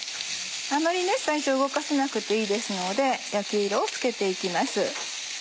あまり最初動かさなくていいですので焼き色をつけて行きます。